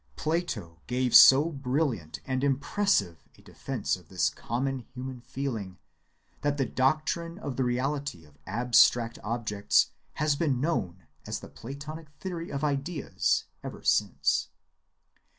Plato gave so brilliant and impressive a defense of this common human feeling, that the doctrine of the reality of abstract objects has been known as the platonic theory of ideas ever since.